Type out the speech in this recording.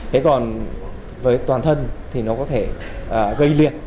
thế còn với toàn thân thì nó có thể gây liệt